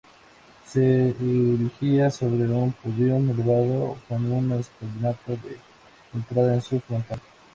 Se erigía sobre un "podium" elevado con una escalinata de entrada en su frontal.